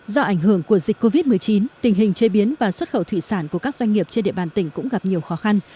do ảnh hưởng của dịch covid một mươi chín tình hình chế biến và xuất khẩu thủy sản của các doanh nghiệp trên địa bàn tỉnh cũng gặp nhiều khó khăn